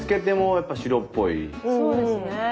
そうですね。